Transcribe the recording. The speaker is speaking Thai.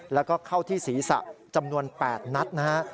แล้วก็เข้าที่ศีรษะจำนวน๘นัดนะฮะ